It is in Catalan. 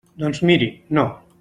Doncs, miri, no.